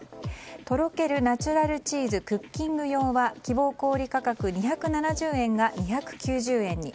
とろけるナチュラルチーズクッキング用は希望小売価格２７０円が２９０円に。